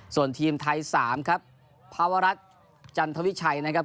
ส่วนทีมไทย๓ครับภาวรัฐจันทวิชัยนะครับ